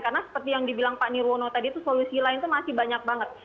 karena seperti yang dibilang pak nirwono tadi solusi lain itu masih banyak banget